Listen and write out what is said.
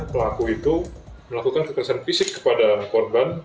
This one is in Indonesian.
pelaku itu melakukan kekerasan fisik kepada korban